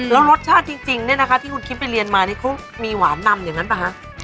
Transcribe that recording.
แล้วรสชาติจริงเนี่ยนะคะที่คุณคิมไปเรียนมานี่เขามีหวานนำอย่างนั้นป่ะฮะ